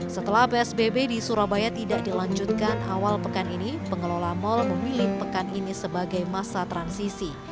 setelah psbb di surabaya tidak dilanjutkan awal pekan ini pengelola mal memilih pekan ini sebagai masa transisi